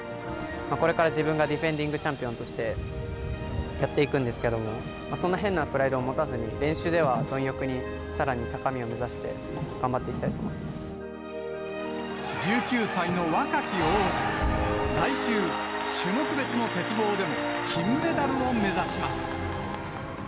これから自分がディフェンディングチャンピオンとしてやっていくんですけれども、そんな変なプライドを持たずに、練習ではどん欲にさらに高みを目指して頑張っていきたいと思いま１９歳の若き王者、来週、種目別の鉄棒でも金メダルを目指します。